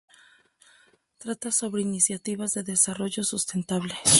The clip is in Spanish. Trata sobre iniciativas de desarrollo sustentable.